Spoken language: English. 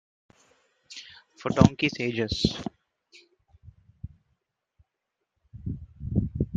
For donkeys' ages.